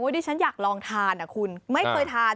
ดิฉันอยากลองทานคุณไม่เคยทาน